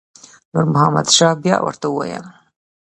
نور محمد شاه بیا ورته وویل.